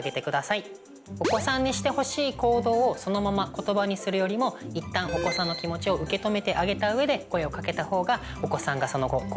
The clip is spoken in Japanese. お子さんにしてほしい行動をそのまま言葉にするよりも一旦お子さんの気持ちを受け止めてあげた上で声をかけた方がお子さんがその後行動しやすくなります。